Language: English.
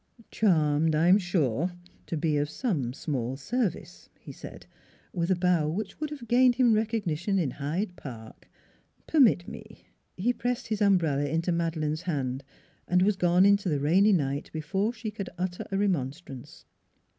" Charmed, I'm sure, to be of some small service," he said, with a bow which would have gained him recognition in Hyde Park. " Permit me " He pressed his umbrella into Madeleine's hand, and was gone into the rainy night before she could utter a remonstrance.